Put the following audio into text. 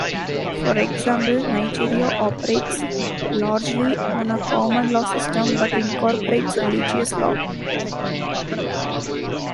For example, Nigeria operates largely on a common law system, but incorporates religious law.